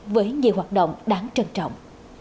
với nhiều hoạt động đáng trân trọng